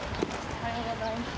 おはようございます。